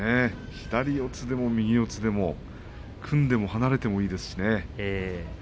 左四つでも右四つでも組んでも離れてもいいですしね。